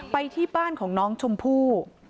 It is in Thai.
ไปที่บ้านของน้องชมพู่